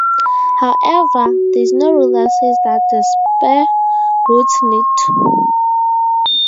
However, there is no rule that says that spur routes need to.